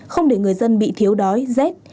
không để người dân bị thiếu đói rét